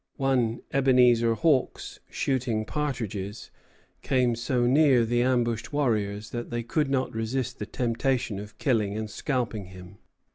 One Ebenezer Hawks, shooting partridges, came so near the ambushed warriors that they could not resist the temptation of killing and scalping him.